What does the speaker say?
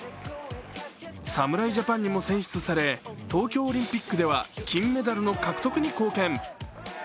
侍ジャパンにも選出され東京オリンピックでは金メダルの獲得に貢献。